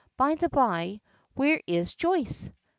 By the by, where is Joyce?"